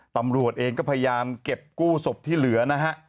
ตำรวจเองก็พยายามเก็บกู้ศพที่เหลือนะฮะ